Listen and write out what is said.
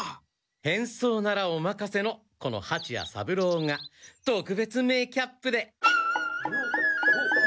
変装ならおまかせのこのはちや三郎が特別メーキャップで。